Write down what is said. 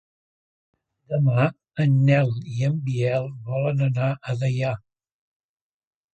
Demà en Nel i en Biel volen anar a Deià.